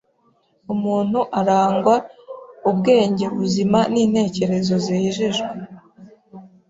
umuntu arangwa ubwenge buzima n’intekerezo zejejwe